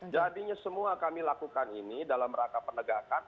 jadinya semua kami lakukan ini dalam rangka penegakan